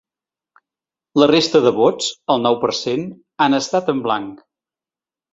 La resta de vots, el nou per cent, han estat en blanc.